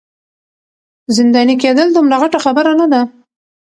زنداني کیدل دومره غټه خبره نه ده.